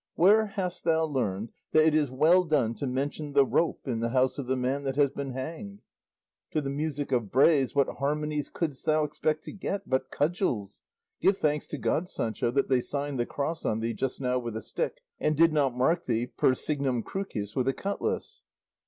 Where hast thou learned that it is well done to mention the rope in the house of the man that has been hanged? To the music of brays what harmonies couldst thou expect to get but cudgels? Give thanks to God, Sancho, that they signed the cross on thee just now with a stick, and did not mark thee per signum crucis with a cutlass."